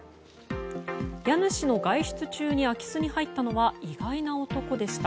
家主の外出中に空き巣に入ったのは意外な男でした。